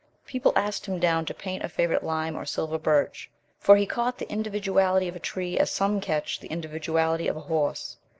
People asked him down to paint a favorite lime or silver birch, for he caught the individuality of a tree as some catch the individuality of a horse.